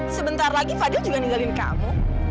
sebentar lagi fadil juga ninggalin kamu